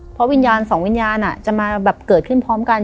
เพราะวิญญาณสองวิญญาณจะมาแบบเกิดขึ้นพร้อมกัน